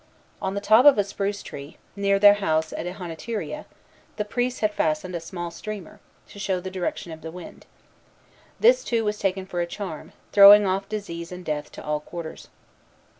On the top of a spruce tree, near their house at Ihonatiria, the priests had fastened a small streamer, to show the direction of the wind. This, too, was taken for a charm, throwing off disease and death to all quarters.